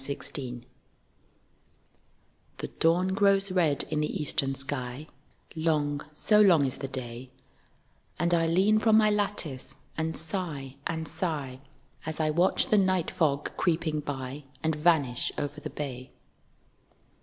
SO LONG The dawn grows red in the eastern sky, (Long, so long is the day,) And I lean from my lattice and sigh and sigh, As I watch the night fog creeping by And vanish over the bay.